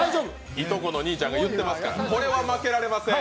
いとこの兄ちゃんが言ってますから、これは負けられません。